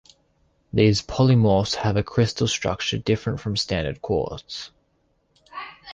These polymorphs have a crystal structure different from standard quartz.